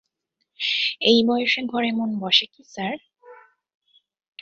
এই বয়সে ঘরে মন বসে কি স্যার?